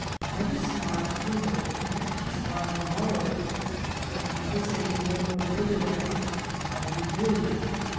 Mother smiled to her, and she smiled to mother. Their con versation went no further than " How do you do